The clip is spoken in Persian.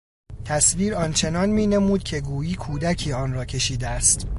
تصویر آنچنان مینمود که گویی کودکی آن را کشیده است.